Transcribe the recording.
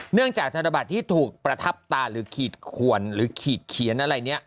จากธนบัตรที่ถูกประทับตาหรือขีดขวนหรือขีดเขียนอะไรเนี่ย